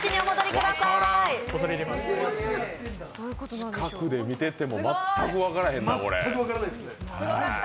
近くで見てても全く分からへんなこれ。